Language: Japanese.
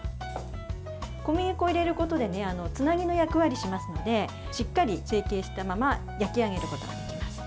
小麦粉を入れることでつなぎの役割をしますのでしっかり成形したまま焼き上げることができます。